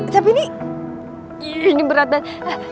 tapi ini ini berat banget